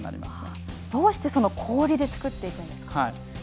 どうして氷で作っていくんですか？